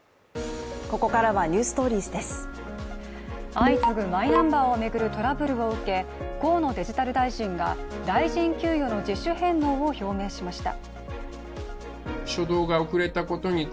相次ぐマイナンバーを巡るトラブルを受け河野デジタル大臣が大臣給与の自主返納を表明しました。